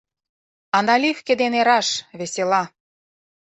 А наливке дене раш — весела!